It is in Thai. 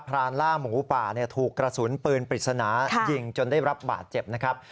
รานล่าหมูป่าถูกกระสุนปืนปริศนายิงจนได้รับบาดเจ็บนะครับ